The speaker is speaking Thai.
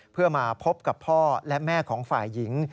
เพื่อมาพบกับพ่อและแม่ของฝ่ายหญิง